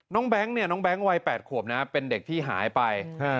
น้องแบงค์เนี่ยน้องแบงค์วัย๘ขวบนะเป็นเด็กที่หายไป